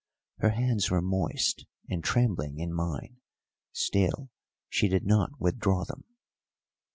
Her hands were moist and trembling in mine, still she did not withdraw them.